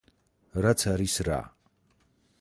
რაც არის რა?